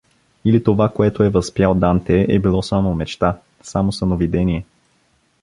Или това, което е възпял Данте, е било само мечта, само съновидение.